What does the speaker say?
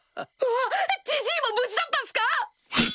わっジジイも無事だったっすか？